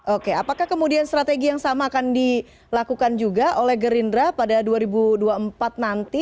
oke apakah kemudian strategi yang sama akan dilakukan juga oleh gerindra pada dua ribu dua puluh empat nanti